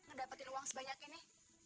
mendapatkan uang sebanyak ini